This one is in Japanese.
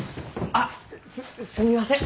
あすすみません！